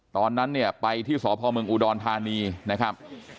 ตอนนั้นเนี่ยไปที่สพเมืองอุดรธานีนะครับ